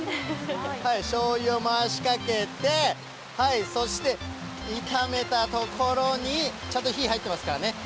しょうゆを回しかけて、そして炒めたところに、ちゃんと火入ってますからね。